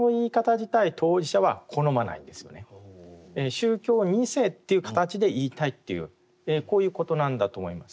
宗教２世という形で言いたいっていうこういうことなんだと思います。